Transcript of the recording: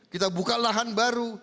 kita buka lahan baru